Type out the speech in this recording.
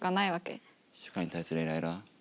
社会に対するイライラ？